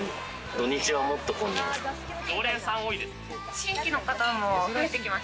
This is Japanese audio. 土日はもっと混んでます。